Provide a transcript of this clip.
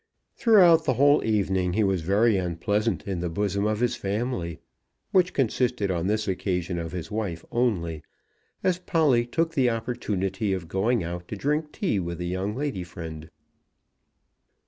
Throughout the whole evening he was very unpleasant in the bosom of his family, which consisted on this occasion of his wife only, as Polly took the opportunity of going out to drink tea with a young lady friend.